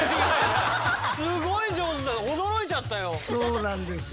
すごい上手で驚いちゃったよ。